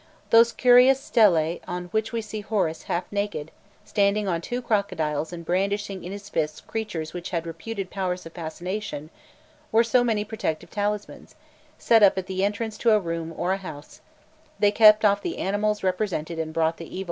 Those curious stelae on which we see Horus half naked, standing on two crocodiles and brandishing in his fists creatures which had reputed powers of fascination, were so many protecting talismans; set up at the entrance to a room or a house, they kept off the animals represented and brought the evil fate to nought.